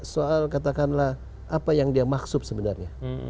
soal katakanlah apa yang dia maksud sebenarnya